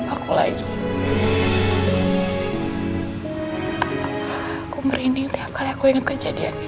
aku takut banget di